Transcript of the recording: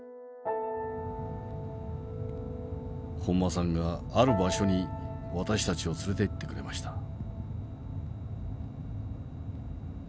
本間さんがある場所に私たちを連れて行ってくれました。